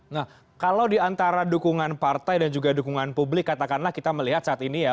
nah kalau diantara dukungan partai dan juga dukungan publik katakanlah kita melihat saat ini ya